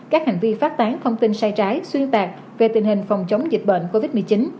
các hành vi phát tán thông tin sai trái xuyên tạc về tình hình phòng chống dịch bệnh covid một mươi chín